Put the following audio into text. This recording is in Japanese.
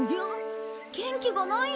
元気がないよ。